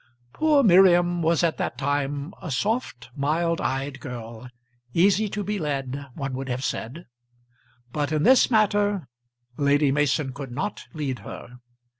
Poor Miriam was at that time a soft, mild eyed girl, easy to be led, one would have said; but in this matter Lady Mason could not lead her.